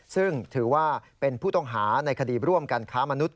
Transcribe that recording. ซึ่งถือว่าเป็นผู้ต้องหาในคดีร่วมกันค้ามนุษย